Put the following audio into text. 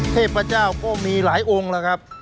เทพเจ้าก็มีหลายองค์แล้วครับ